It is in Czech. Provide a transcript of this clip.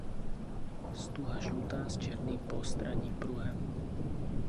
Stuha žlutá s černým postranním pruhem.